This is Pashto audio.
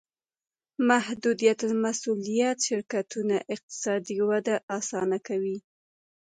محدودالمسوولیت شرکتونه اقتصادي وده اسانه کوي.